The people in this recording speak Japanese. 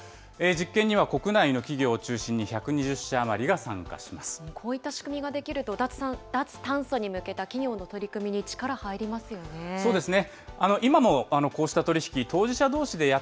実験には国内の企業を中心に１２こういった仕組みができると、脱炭素に向けた企業の取り組みに力入りますよね。